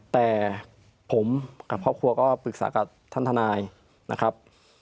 แต่ผมกับครอบครัวก็ปรึกษากับท่านทนายนะครับ